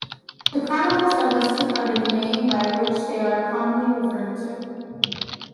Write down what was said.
The chronicles are listed under the name by which they are commonly referred to.